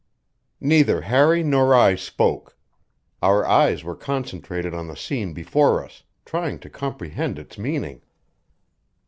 Neither Harry nor I spoke; our eyes were concentrated on the scene before us, trying to comprehend its meaning.